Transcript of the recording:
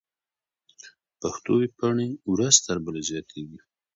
پښتو ويبپاڼې ورځ تر بلې زياتېږي.